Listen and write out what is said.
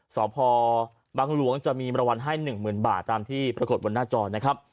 สพบังหลวงจะมีรางวัลให้๑๐๐๐บาทตามที่ปรากฏบนหน้าจอนะครับ